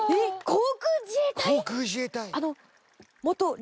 航空自衛隊！？